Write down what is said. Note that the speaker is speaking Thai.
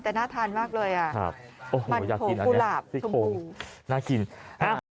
แต่น่าทานมากเลยอ่ะมันโผล่กุหลาบทุ่มปูน่ากินโอ้โฮอยากกินอันนี้